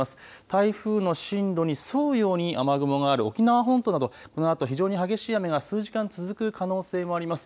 台風の進路に沿うように雨雲がある沖縄本島などこのあと非常に激しい雨が数時間続く可能性もあります。